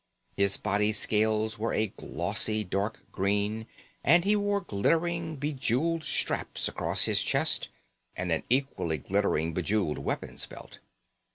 His body scales were a glossy dark green and he wore glittering, be jeweled straps across his chest and an equally glittering, be jeweled weapons belt.